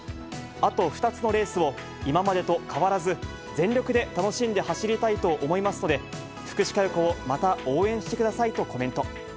あと２つのレースを、今までと変わらず、全力で楽しんで走りたいと思いますので、福士加代子をまた応援してくださいとコメント。